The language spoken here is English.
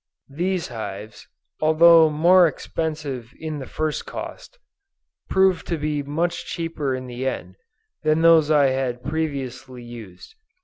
These hives, although more expensive in the first cost, proved to be much cheaper in the end, than those I had previously used.